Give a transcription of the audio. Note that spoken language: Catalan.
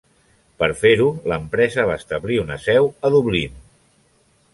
Per fer-ho, l'empresa va establir una seu a Dublín.